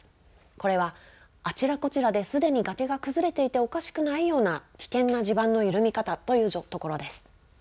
これはあちらこちらですでに崖が崩れていておかしくないような危険な地盤の緩み方というところです。